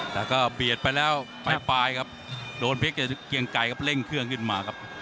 แต่ก็เบียดไปแล้วปลายครับโดนเพชรเกียงไกรครับเร่งเครื่องขึ้นมาครับ